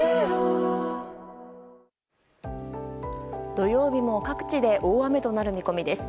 土曜日も各地で大雨となる見込みです。